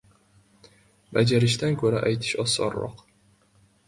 • Bajarishdan ko‘ra aytish osonroq.